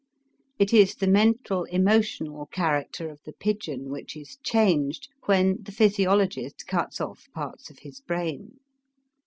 It is the mental emotional character of the pigeon which is changed when the physiologist cuts off parts of his brain.